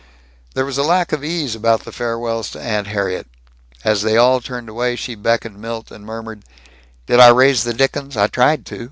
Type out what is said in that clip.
There was a lack of ease about the farewells to Aunt Harriet. As they all turned away she beckoned Milt and murmured, "Did I raise the dickens? I tried to.